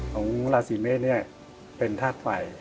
ของราศีเมฆเนี่ยเป็นธาตุไฝ